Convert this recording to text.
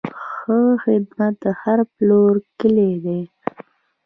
ښه خدمت د هر پلور کلي ده.